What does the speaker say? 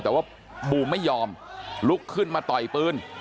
แต่ว่าบูมไม่ยอมลุกขึ้นมาต่อยปืน